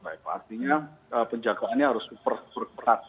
artinya penjagaannya harus super berat